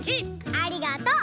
ありがとう！